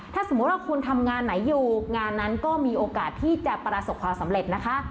ถ้าสมมุติว่าคุณทำงานไหนอยู่งานนั้นก็มีโอกาสที่จะประสบความสำเร็จนะคะ